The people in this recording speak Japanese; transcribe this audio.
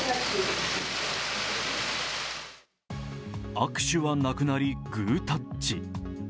握手はなくなりグータッチ。